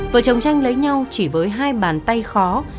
vợ chồng tranh lấy nhau chỉ với hai bàn tay khó